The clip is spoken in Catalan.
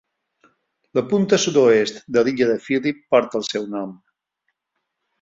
La punta sud-oest de l'illa de Phillip porta el seu nom.